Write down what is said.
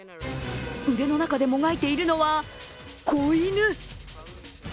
腕の中でもがいているのは子犬。